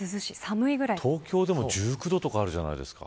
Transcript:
東京でも１９度とかあるじゃないですか。